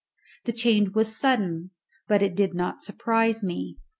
The change was sudden, but it did not surprise me.